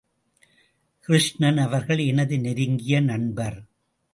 கிருஷ்ணன் அவர்கள் எனது நெருங்கிய நண்பர்.